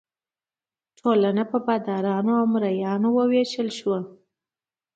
ټولنه په بادارانو او مرئیانو وویشل شوه.